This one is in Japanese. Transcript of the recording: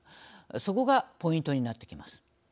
そこがポイントになってきます。